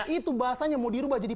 itu bahasanya mau dirubah jadi